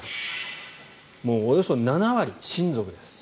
もうおよそ７割、親族です。